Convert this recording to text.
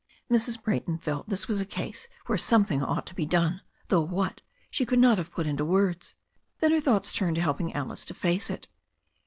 Mrs. Brayton felt this was a case where something ought to be done, though what, she could not have put into words. Then her thoughts turned to helping Alice to face it.